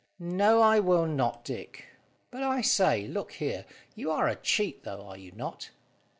"No, I will not, Dick. But, I say, look here: you are a cheat, though, are you not?"